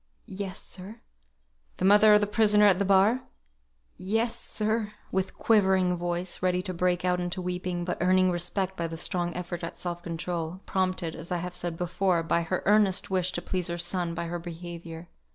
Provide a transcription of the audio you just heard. "Yes, sir." "The mother of the prisoner at the bar?" "Yes, sir;" with quivering voice, ready to break out into weeping, but earning respect by the strong effort at self control, prompted, as I have said before, by her earnest wish to please her son by her behaviour.